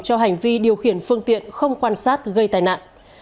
cho hành vi điều khiển phương tiện không quan sát gây tai nạn